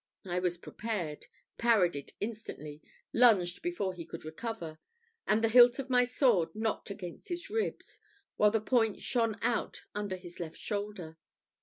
I was prepared parried it instantly lunged before he could recover, and the hilt of my sword knocked against his ribs, while the point shone out under his left shoulder.